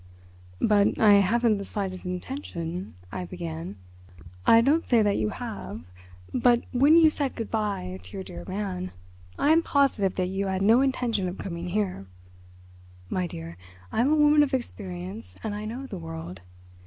"But I haven't the slightest intention—" I began. "I don't say that you have. But when you said good bye to your dear man I am positive that you had no intention of coming here. My dear, I am a woman of experience, and I know the world.